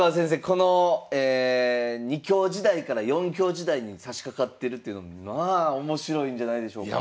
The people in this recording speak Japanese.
この２強時代から４強時代にさしかかってるっていうのもまあ面白いんじゃないでしょうか。